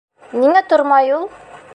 Ниңә тормай ул?